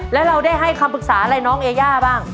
แล้วเราได้ให้คำปรึกษาอะไรน้องเอย่าบ้าง